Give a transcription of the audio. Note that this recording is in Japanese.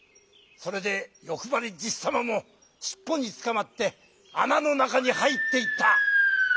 それでよくばりじさまもしっぽにつかまってあなのなかにはいっていった。